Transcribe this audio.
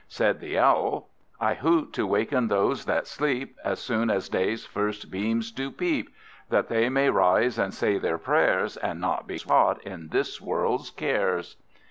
Said the Owl "I hoot to waken those that sleep, As soon as day's first beams do peep; That they may rise, and say their prayers, And not be caught in this world's cares."